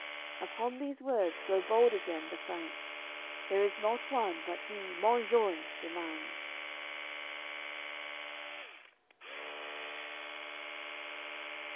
Upon these words grow bold again the Franks; There is not one but he "Monjoie" demands.